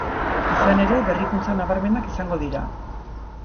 Izan ere, berrikuntza nabarmenak izango dira.